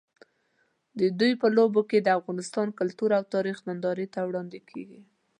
د دوی په لوبو کې د افغانستان کلتور او تاریخ نندارې ته وړاندې کېږي.